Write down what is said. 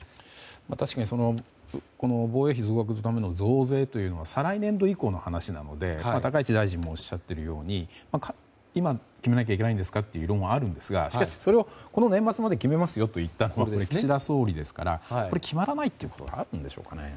確かに防衛費増額のための増税というのは再来年度以降の話なので高市大臣もおっしゃっているように今決めなきゃいけないんですか？というところはあるんですがしかし、それを年末までに決めますよと言った岸田総理ですがこれ、決まらないということがあるんでしょうかね。